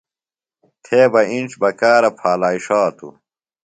تھےۡ بہ اِنڇ بکارہ پھالائی ݜاتوۡ۔